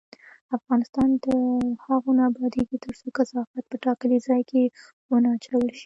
افغانستان تر هغو نه ابادیږي، ترڅو کثافات په ټاکلي ځای کې ونه اچول شي.